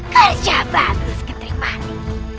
kerja bagus ketrik mali